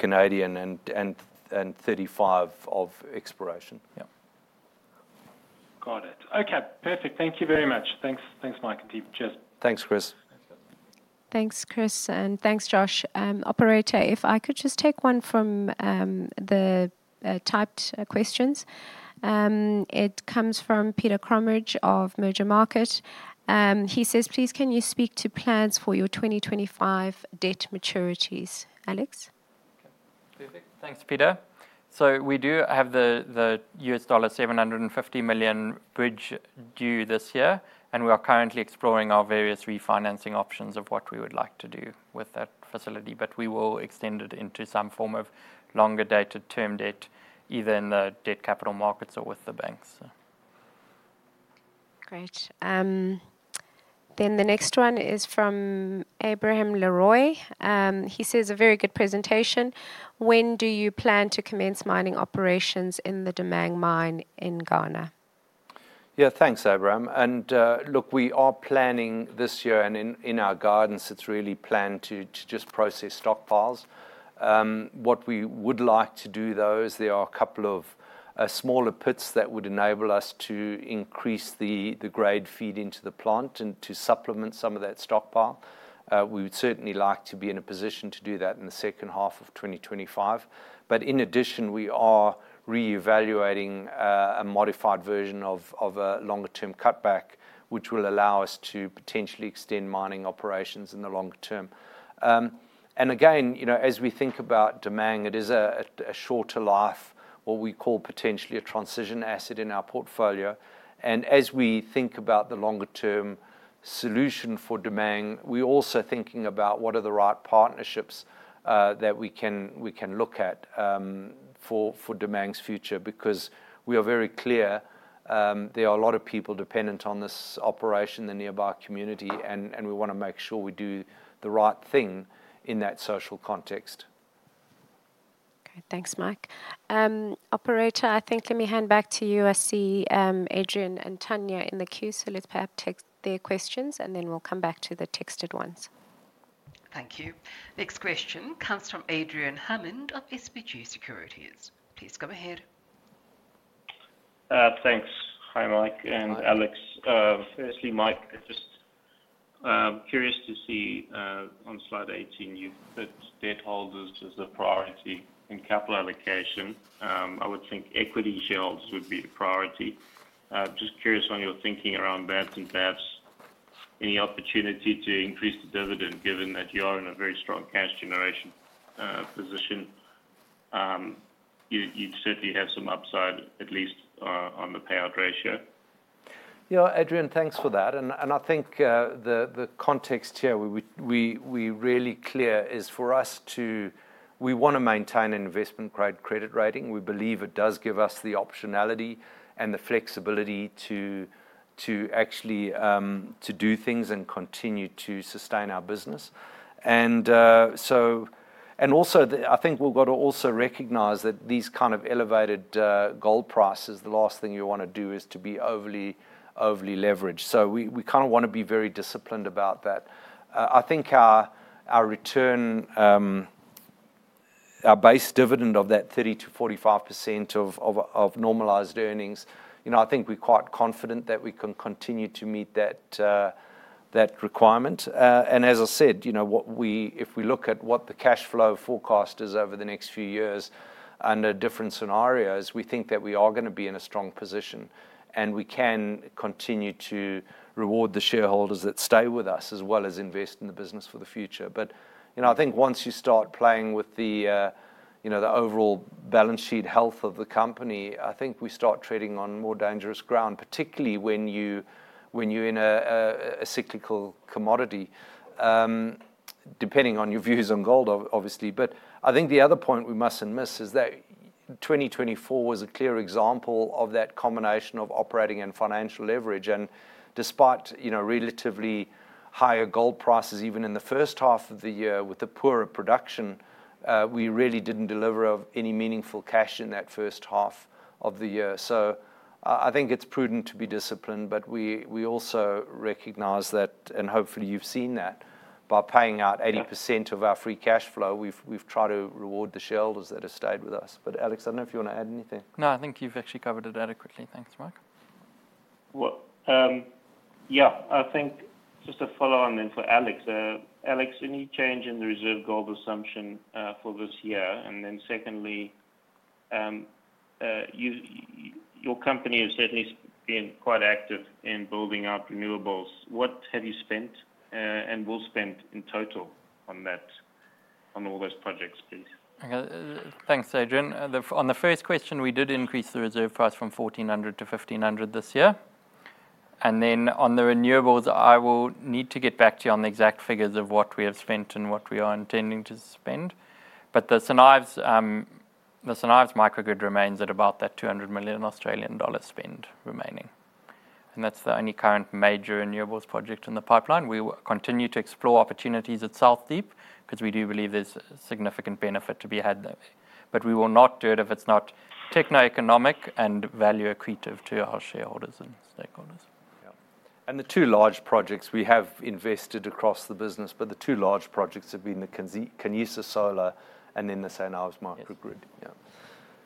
and 35 of exploration. Yeah. Got it. Okay. Perfect. Thank you very much. Thanks, Mike and team. Thanks, Chris. Thanks, Chris. And thanks, Josh. Operator, if I could just take one from the typed questions. It comes from Peter Cromberge of Mergermarket. He says, "Please, can you speak to plans for your 2025 debt maturities, Alex? Okay. Perfect. Thanks, Peter. So we do have the $750 million bridge due this year, and we are currently exploring our various refinancing options of what we would like to do with that facility. But we will extend it into some form of longer-dated term debt, either in the debt capital markets or with the banks. Great. Then the next one is from Abraham Leroy. He says, "A very good presentation. When do you plan to commence mining operations in the Damang mine in Ghana? Yeah, thanks, Abraham. And look, we are planning this year, and in our guidance, it's really planned to just process stockpiles. What we would like to do, though, is there are a couple of smaller pits that would enable us to increase the grade feed into the plant and to supplement some of that stockpile. We would certainly like to be in a position to do that in the second half of 2025. But in addition, we are reevaluating a modified version of a longer-term cutback, which will allow us to potentially extend mining operations in the longer term. And again, as we think about Damang, it is a shorter life, what we call potentially a transition asset in our portfolio. As we think about the longer-term solution for Damang, we're also thinking about what are the right partnerships that we can look at for Damang's future, because we are very clear there are a lot of people dependent on this operation, the nearby community, and we want to make sure we do the right thing in that social context. Okay. Thanks, Mike. Operator, I think, let me hand back to you. I see Adrian and Tanya in the queue, so let's perhaps take their questions, and then we'll come back to the texted ones. Thank you. Next question comes from Adrian Hammond of SBG Securities. Please go ahead. Thanks. Hi, Mike and Alex. Firstly, Mike, I'm just curious to see on slide 18, you put debt holders as a priority in capital allocation. I would think equity shares would be a priority. Just curious on your thinking around VATs and BABs, any opportunity to increase the dividend given that you are in a very strong cash generation position? You certainly have some upside, at least on the payout ratio. Yeah, Adrian, thanks for that. And I think the context here we really clear is for us to we want to maintain an investment-grade credit rating. We believe it does give us the optionality and the flexibility to actually do things and continue to sustain our business. And also, I think we've got to also recognize that these kind of elevated gold prices, the last thing you want to do is to be overly leveraged. So we kind of want to be very disciplined about that. I think our return, our base dividend of that 30%-45% of normalized earnings, I think we're quite confident that we can continue to meet that requirement. And as I said, if we look at what the cash flow forecast is over the next few years under different scenarios, we think that we are going to be in a strong position and we can continue to reward the shareholders that stay with us as well as invest in the business for the future. But I think once you start playing with the overall balance sheet health of the company, I think we start treading on more dangerous ground, particularly when you're in a cyclical commodity, depending on your views on gold, obviously. But I think the other point we mustn't miss is that 2024 was a clear example of that combination of operating and financial leverage. And despite relatively higher gold prices, even in the first half of the year with the poorer production, we really didn't deliver any meaningful cash in that first half of the year. So I think it's prudent to be disciplined, but we also recognize that, and hopefully you've seen that, by paying out 80% of our free cash flow, we've tried to reward the shareholders that have stayed with us. But Alex, I don't know if you want to add anything. No, I think you've actually covered it adequately. Thanks, Mike. Well, yeah, I think just a follow-on then for Alex. Alex, any change in the reserve gold assumption for this year? And then secondly, your company has certainly been quite active in building up renewables. What have you spent and will spend in total on all those projects, please? Thanks, Adrian. On the first question, we did increase the reserve price from 1,400-1,500 this year. And then on the renewables, I will need to get back to you on the exact figures of what we have spent and what we are intending to spend. But the St. Ives microgrid remains at about that 200 million Australian dollar spend remaining. And that's the only current major renewables project in the pipeline. We will continue to explore opportunities at South Deep because we do believe there's significant benefit to be had there. But we will not do it if it's not techno-economic and value accretive to our shareholders and stakeholders. Yeah. And the two large projects we have invested across the business, but the two large projects have been the Khanyisa Solar and then the St. Ives microgrid.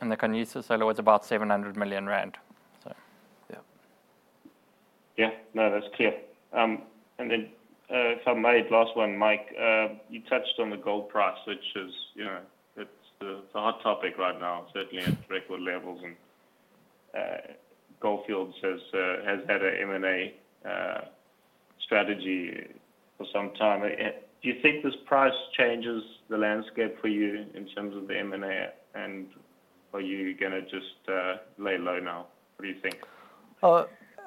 The Khanyisa Solar was about ZAR 700 million. Yeah. Yeah. No, that's clear. And then if I may, last one, Mike, you touched on the gold price, which is the hot topic right now, certainly at record levels. And Gold Fields has had an M&A strategy for some time. Do you think this price changes the landscape for you in terms of the M&A? And are you going to just lay low now? What do you think?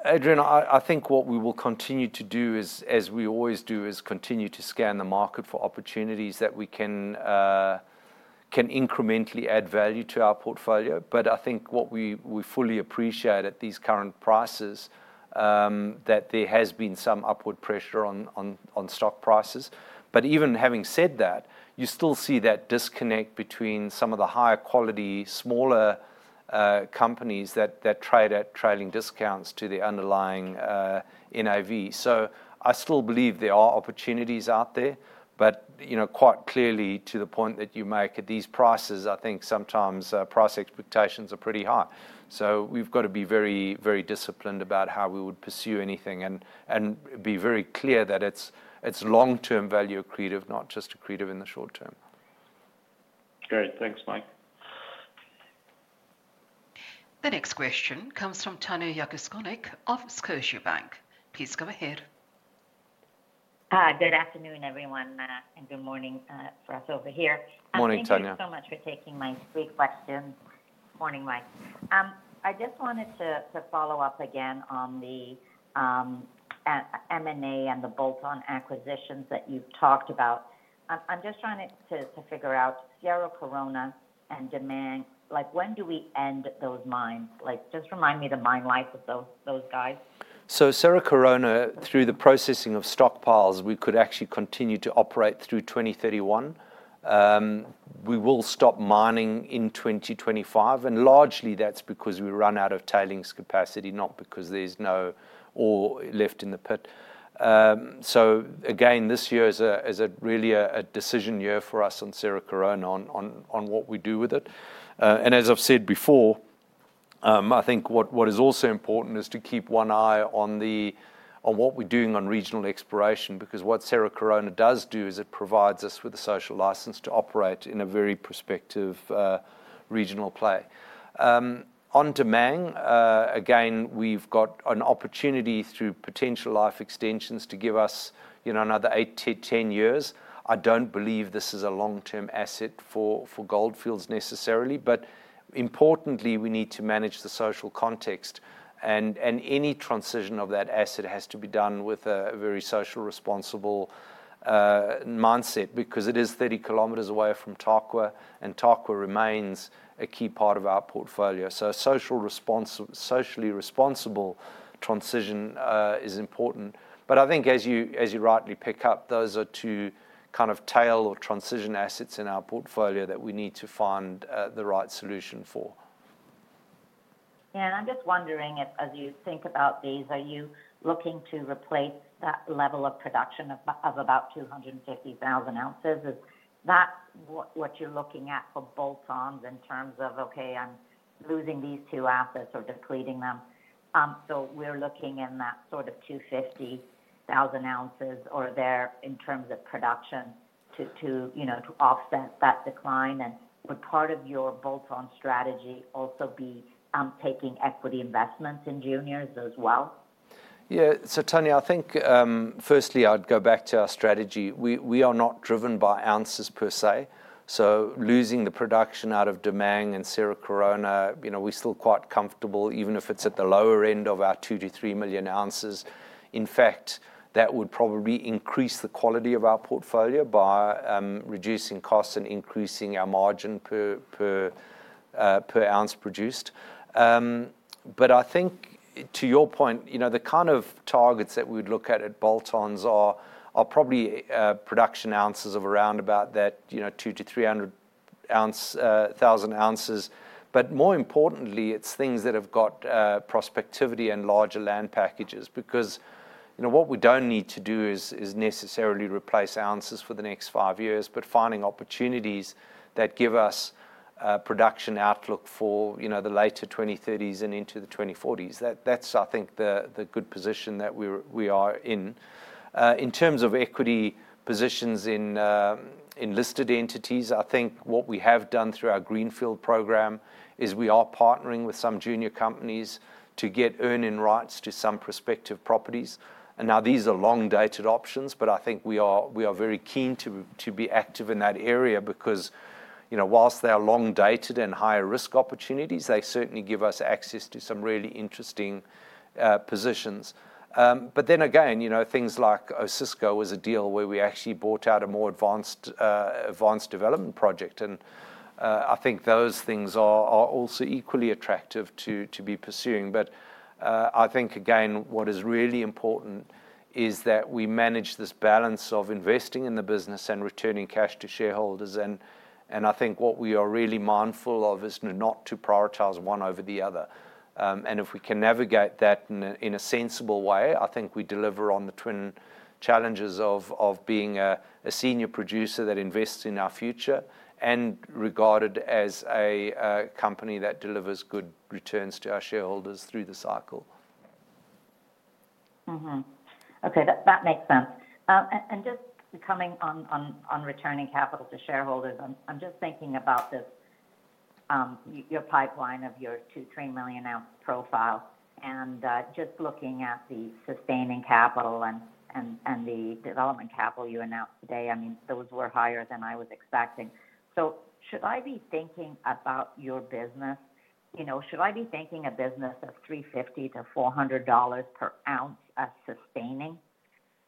Adrian, I think what we will continue to do, as we always do, is continue to scan the market for opportunities that can incrementally add value to our portfolio. But I think what we fully appreciate at these current prices is that there has been some upward pressure on stock prices. But even having said that, you still see that disconnect between some of the higher quality, smaller companies that trade at trailing discounts to the underlying NIV. So I still believe there are opportunities out there, but quite clearly to the point that you make at these prices, I think sometimes price expectations are pretty high. So we've got to be very, very disciplined about how we would pursue anything and be very clear that it's long-term value accretive, not just accretive in the short term. Great. Thanks, Mike. The next question comes from Tanya Jakusconek of Scotiabank. Please go ahead. Hi, good afternoon, everyone, and good morning for us over here. Good morning, Tanya. Thank you so much for taking my three questions. Good morning, Mike. I just wanted to follow up again on the M&A and the bolt-on acquisitions that you've talked about. I'm just trying to figure out Cerro Corona and Damang. When do we end those mines? Just remind me the mine life of those guys. So Cerro Corona, through the processing of stockpiles, we could actually continue to operate through 2031. We will stop mining in 2025. And largely, that's because we run out of tailings capacity, not because there's no ore left in the pit. So again, this year is really a decision year for us on Cerro Corona, on what we do with it. And as I've said before, I think what is also important is to keep one eye on what we're doing on regional exploration, because what Cerro Corona does do is it provides us with a social license to operate in a very prospective regional play. On Damang, again, we've got an opportunity through potential life extensions to give us another eight to 10 years. I don't believe this is a long-term asset for Gold Fields necessarily. But importantly, we need to manage the social context. Any transition of that asset has to be done with a very socially responsible mindset, because it is 30 km away from Tarkwa, and Tarkwa remains a key part of our portfolio. So socially responsible transition is important. But I think, as you rightly pick up, those are two kind of tail or transition assets in our portfolio that we need to find the right solution for. Yeah. And I'm just wondering, as you think about these, are you looking to replace that level of production of about 250,000 ounces? Is that what you're looking at for bolt-ons in terms of, okay, I'm losing these two assets or depleting them? So we're looking in that sort of 250,000 ounces or there in terms of production to offset that decline. And would part of your bolt-on strategy also be taking equity investments in juniors as well? Yeah. So, Tanya, I think firstly, I'd go back to our strategy. We are not driven by ounces per se. So, losing the production out of Damang and Cerro Corona, we're still quite comfortable, even if it's at the lower end of our two to three million ounces. In fact, that would probably increase the quality of our portfolio by reducing costs and increasing our margin per ounce produced. But I think, to your point, the kind of targets that we would look at bolt-ons are probably production ounces of around about 200,000-300,000 ounces. But more importantly, it's things that have got prospectivity and larger land packages, because what we don't need to do is necessarily replace ounces for the next five years, but finding opportunities that give us a production outlook for the later 2030s and into the 2040s. That's, I think, the good position that we are in. In terms of equity positions in listed entities, I think what we have done through our greenfields program is we are partnering with some junior companies to get earning rights to some prospective properties. And now these are long-dated options, but I think we are very keen to be active in that area because whilst they are long-dated and higher risk opportunities, they certainly give us access to some really interesting positions. But then again, things like Osisko was a deal where we actually bought out a more advanced development project. And I think those things are also equally attractive to be pursuing. But I think, again, what is really important is that we manage this balance of investing in the business and returning cash to shareholders. I think what we are really mindful of is not to prioritize one over the other. If we can navigate that in a sensible way, I think we deliver on the twin challenges of being a senior producer that invests in our future and regarded as a company that delivers good returns to our shareholders through the cycle. Okay. That makes sense. And just coming on returning capital to shareholders, I'm just thinking about your pipeline of your two to three million ounce profile. And just looking at the sustaining capital and the development capital you announced today, I mean, those were higher than I was expecting. So should I be thinking about your business, should I be thinking a business of $350-$400 per ounce of sustaining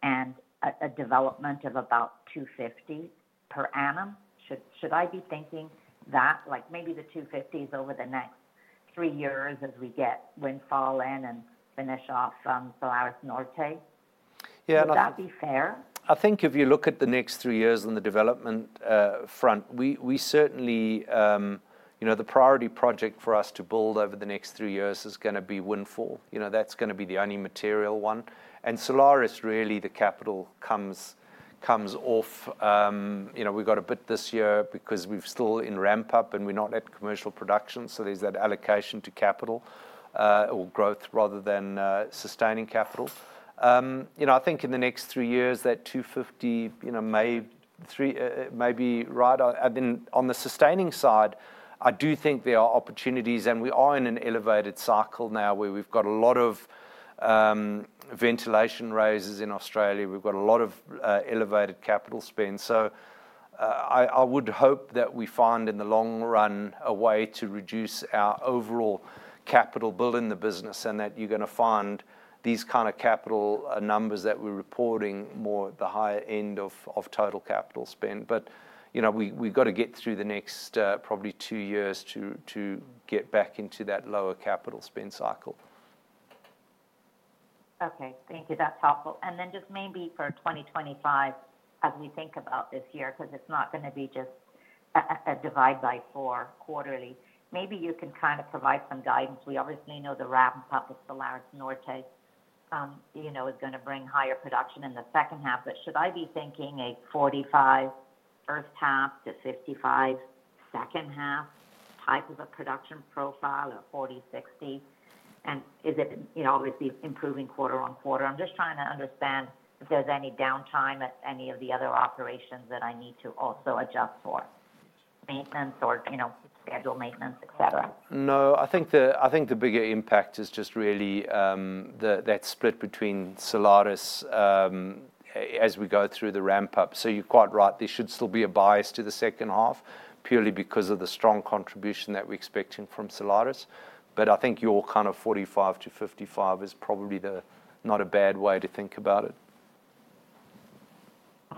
and a development of about $250 per annum? Should I be thinking that, maybe the $250s over the next three years as we get Windfall in and finish off Salares Norte? Would that be fair? I think if you look at the next three years on the development front, we certainly the priority project for us to build over the next three years is going to be Windfall. That's going to be the only material one. And Salares Norte really, the capital comes off. We got a bit this year because we're still in ramp-up and we're not at commercial production. So there's that allocation to capital or growth rather than sustaining capital. I think in the next three years, that 250 may be right. And then on the sustaining side, I do think there are opportunities. And we are in an elevated cycle now where we've got a lot of ventilation raises in Australia. We've got a lot of elevated capital spend. So I would hope that we find in the long run a way to reduce our overall capital build in the business and that you're going to find these kind of capital numbers that we're reporting more at the higher end of total capital spend. But we've got to get through the next probably two years to get back into that lower capital spend cycle. Okay. Thank you. That's helpful. And then just maybe for 2025, as we think about this year, because it's not going to be just a divide by four quarterly, maybe you can kind of provide some guidance. We obviously know the ramp-up of Salares Norte is going to bring higher production in the second half. But should I be thinking a 45%-55% first half to second half type of a production profile or 40%-60%? And is it obviously improving quarter on quarter? I'm just trying to understand if there's any downtime at any of the other operations that I need to also adjust for maintenance or schedule maintenance, etc. No. I think the bigger impact is just really that split between Salares Norte as we go through the ramp-up. So you're quite right. There should still be a bias to the second half purely because of the strong contribution that we're expecting from Salares Norte. But I think your kind of 45-55 is probably not a bad way to think about it.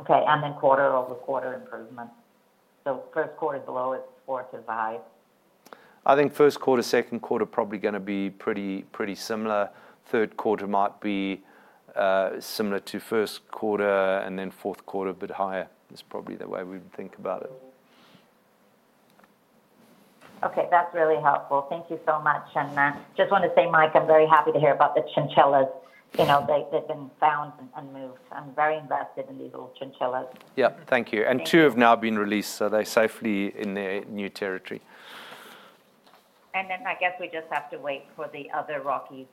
Okay. And then quarter-over-quarter improvement. So first quarter's low, it's four to five? I think first quarter, second quarter probably going to be pretty similar. Third quarter might be similar to first quarter and then fourth quarter a bit higher. That's probably the way we would think about it. Okay. That's really helpful. Thank you so much. And I just want to say, Mike, I'm very happy to hear about the chinchillas. They've been found and moved. I'm very invested in these little chinchillas. Yeah. Thank you, and two have now been released, so they're safely in their new territory. And then I guess we just have to wait for the other rockery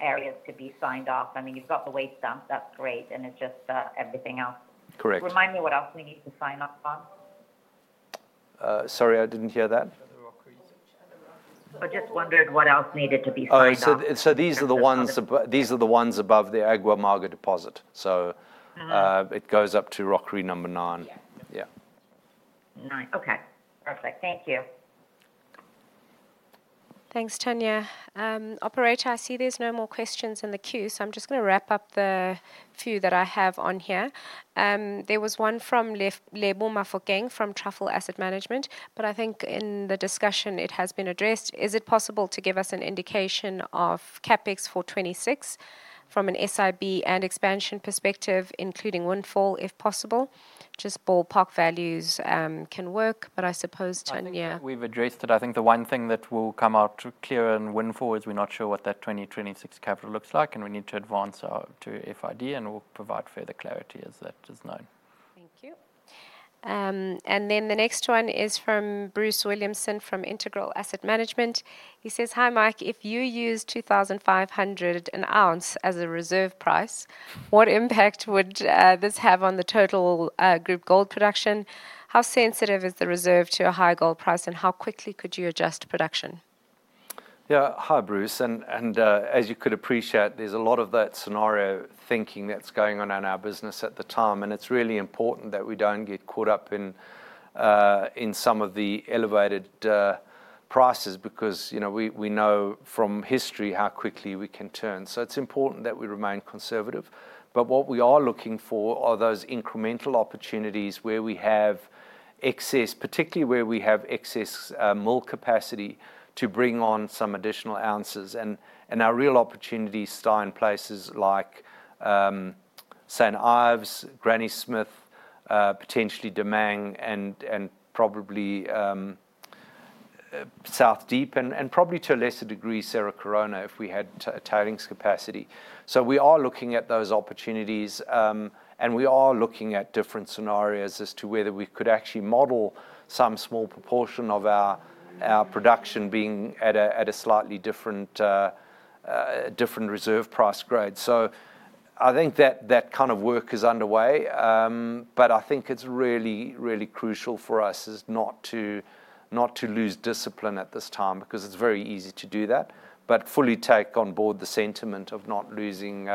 areas to be signed off. I mean, you've got the wasteland. That's great. And it's just everything else. Correct. Remind me what else we need to sign off on. Sorry, I didn't hear that. I just wondered what else needed to be signed off. All right. So these are the ones above the Agua Amarga deposit. So it goes up to rockery number nine. Yeah. Yeah. Nice. Okay. Perfect. Thank you. Thanks, Tanya. Operator, I see there's no more questions in the queue. So I'm just going to wrap up the few that I have on here. There was one from Lebo Mofokeng from Truffle Asset Management, but I think in the discussion it has been addressed. Is it possible to give us an indication of CapEx for 2026 from an SIB and expansion perspective, including Windfall, if possible? Just ballpark values can work, but I suppose, Tanya. We've addressed it. I think the one thing that will come out clearer in Windfall is we're not sure what that 2026 capital looks like, and we need to advance to FID, and we'll provide further clarity as that is known. Thank you. And then the next one is from Bruce Williamson from Integral Asset Management. He says, "Hi, Mike. If you use $2,500 an ounce as a reserve price, what impact would this have on the total group gold production? How sensitive is the reserve to a high gold price, and how quickly could you adjust production? Yeah. Hi, Bruce. And as you could appreciate, there's a lot of that scenario thinking that's going on in our business at the time. And it's really important that we don't get caught up in some of the elevated prices because we know from history how quickly we can turn. So it's important that we remain conservative. But what we are looking for are those incremental opportunities where we have excess, particularly where we have excess mill capacity to bring on some additional ounces. And our real opportunities stay in places like St. Ives, Granny Smith, potentially Damang, and probably South Deep, and probably to a lesser degree, Cerro Corona, if we had tailings capacity. So we are looking at those opportunities, and we are looking at different scenarios as to whether we could actually model some small proportion of our production being at a slightly different reserve price grade. So I think that kind of work is underway. But I think it's really, really crucial for us not to lose discipline at this time because it's very easy to do that, but fully take on board the sentiment of not losing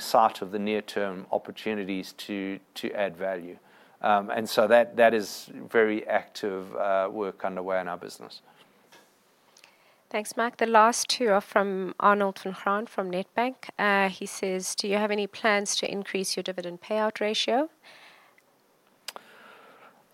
sight of the near-term opportunities to add value. And so that is very active work underway in our business. Thanks, Mike. The last two are from Arnold van Graan from Nedbank. He says, "Do you have any plans to increase your dividend payout ratio?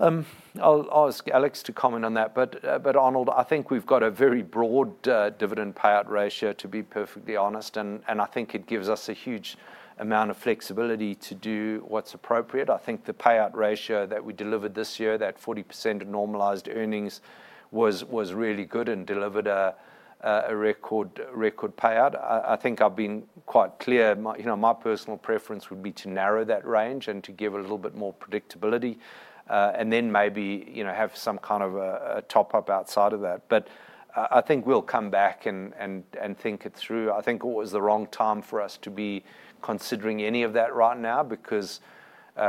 I'll ask Alex to comment on that. But Arnold, I think we've got a very broad dividend payout ratio, to be perfectly honest. And I think it gives us a huge amount of flexibility to do what's appropriate. I think the payout ratio that we delivered this year, that 40% of normalized earnings, was really good and delivered a record payout. I think I've been quite clear. My personal preference would be to narrow that range and to give a little bit more predictability and then maybe have some kind of a top-up outside of that. But I think we'll come back and think it through. I think it was the wrong time for us to be considering any of that right now because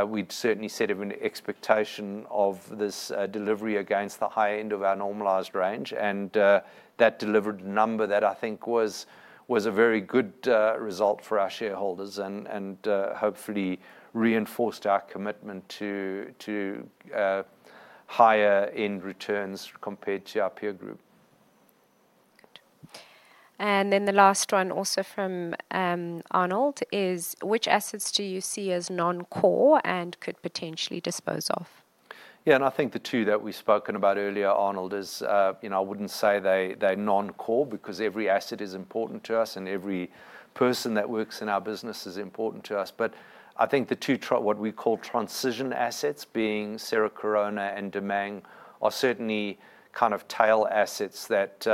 we'd certainly set an expectation of this delivery against the high end of our normalized range. That delivered a number that I think was a very good result for our shareholders and hopefully reinforced our commitment to higher-end returns compared to our peer group. The last one also from Arnold is, "Which assets do you see as non-core and could potentially dispose of? Yeah. And I think the two that we've spoken about earlier, Arnold, is I wouldn't say they're non-core because every asset is important to us and every person that works in our business is important to us. But I think the two what we call transition assets, being Cerro Corona and Damang, are certainly kind of tail assets that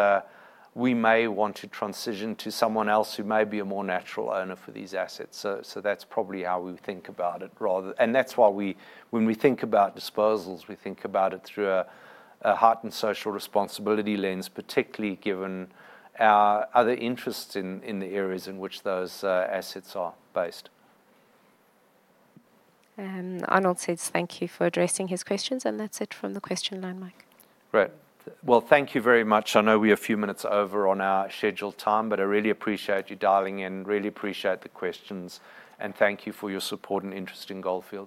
we may want to transition to someone else who may be a more natural owner for these assets. So that's probably how we think about it. And that's why when we think about disposals, we think about it through an ESG and social responsibility lens, particularly given our other interests in the areas in which those assets are based. Arnold says, "Thank you for addressing his questions." And that's it from the question line, Mike. Great. Well, thank you very much. I know we are a few minutes over on our scheduled time, but I really appreciate you dialing in, really appreciate the questions, and thank you for your support and interest in Gold Fields.